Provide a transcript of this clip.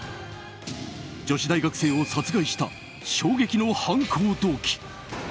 女子大学生を殺害した衝撃の犯行動機。